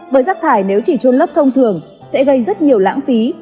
bởi rác thải nếu chỉ trôn lấp thông thường sẽ gây rất nhiều lãng phí